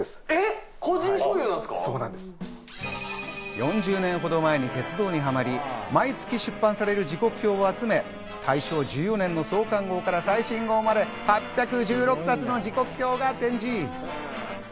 ４０年ほど前に鉄道にハマり、毎月出版される時刻表を集め、大正１４年の創刊号から最新号まで８１６冊の時刻表が展示。